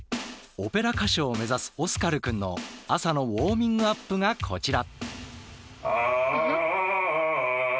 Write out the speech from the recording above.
オペラ歌手を目指すオスカルくんの朝のウォーミングアップがこちら。